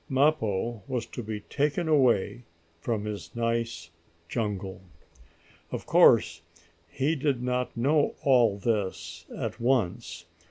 Mappo was to be taken away from his nice jungle. Of course he did not know all this at once.